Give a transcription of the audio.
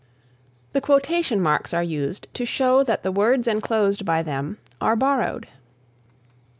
The Quotation marks are used to show that the words enclosed by them are borrowed.